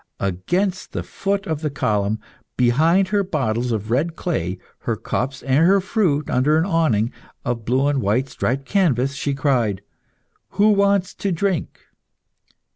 Against the foot of the column, behind her bottles of red clay, her cups and her fruit under an awning of blue and white striped canvas, she cried, "Who wants to drink?"